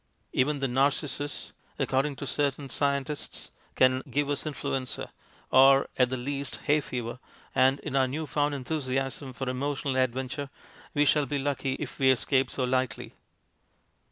Even the narcissus, according to certain scientists, can give us influenza, or, at the least, hay fever, and in our new found enthusiasm for emo tional adventure we shall be lucky if we escape so lightly.